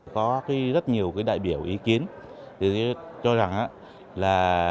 có rất nhiều cái đại biểu ý kiến cho rằng là